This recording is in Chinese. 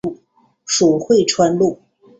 属会川路。